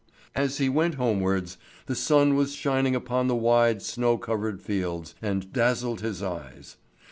As he went homewards, the sun was shining upon the wide, snow covered fields, and dazzled his eyes.